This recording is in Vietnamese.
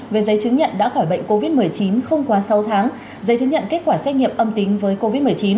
về giấy chứng nhận đã khỏi bệnh covid một mươi chín không quá sáu tháng giấy chứng nhận kết quả xét nghiệm âm tính với covid một mươi chín